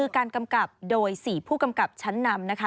การกำกับโดย๔ผู้กำกับชั้นนำนะคะ